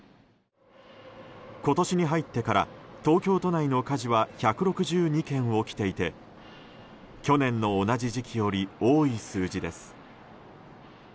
今年に入ってから東京都内の火事は１６２件起きていて去年の同じ時期より多い数字です。